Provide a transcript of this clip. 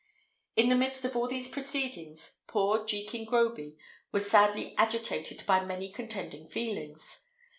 In the midst of all these proceedings, poor Jekin Groby was sadly agitated by many contending feelings.